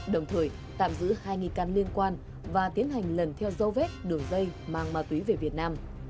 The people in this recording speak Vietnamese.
đồng thời tạm giữ hai nghi can liên quan và tiến hành lần theo dấu vết đường dây mang ma túy về việt nam